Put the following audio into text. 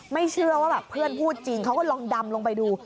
ไม่เชื่อว่าแบบเพื่อนพูดจริงเขาก็ลองดำลงไปดู